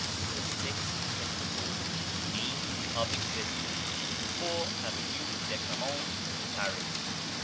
THE SIXTH PRINCIPLE MEANS OF EXISTENCE 4, Avenue de Camoens, Paris.